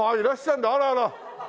あらあら。